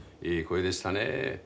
いい声でしたね。